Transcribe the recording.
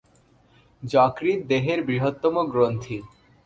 যকৃৎ দেহের বৃহত্তম গ্রন্থি।